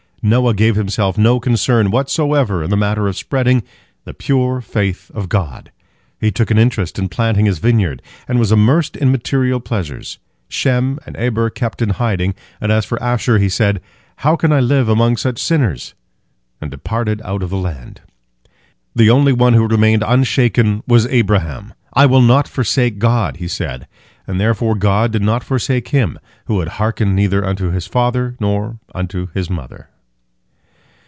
Noah gave himself no concern whatsoever in the matter of spreading the pure faith in God. He took an interest in planting his vineyard, and was immersed in material pleasures. Shem and Eber kept in hiding, and as for Asshur, he said, "How can I live among such sinners?" and departed out of the land. The only one who remained unshaken was Abraham. "I will not forsake God," he said, and therefore God did not forsake him, who had hearkened neither unto his father nor unto his mother.